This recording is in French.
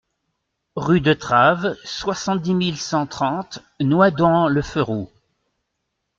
Rue de Traves, soixante-dix mille cent trente Noidans-le-Ferroux